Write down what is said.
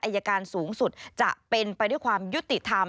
อายการสูงสุดจะเป็นไปด้วยความยุติธรรม